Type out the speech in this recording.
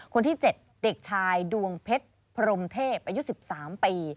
คนที่๗เด็กชายดวงเพชรพรมเทพอายุ๑๓ปี